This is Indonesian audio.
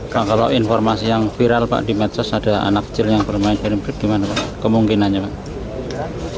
kang kalau informasi yang viral pak di medsos ada anak kecil yang bermain film grade gimana pak kemungkinannya pak